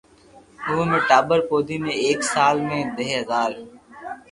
اووي ۾ ٽاٻر ٻودي ۾ ايڪ سال ۾ دھي ھزار